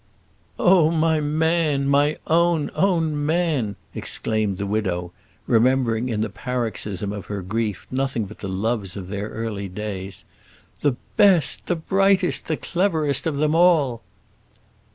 "Oh, my man my own, own man!" exclaimed the widow, remembering in the paroxysm of her grief nothing but the loves of their early days; "the best, the brightest, the cleverest of them all!"